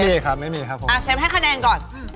ไม่มีครับไม่มีครับผมเชฟให้คะแนนก่อน